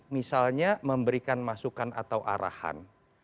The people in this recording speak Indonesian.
misalnya memberikan masukan atau arahan